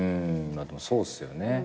でもそうっすよね。